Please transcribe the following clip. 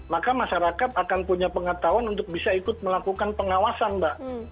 maka masyarakat akan punya pengetahuan untuk bisa ikut melakukan pengawasan mbak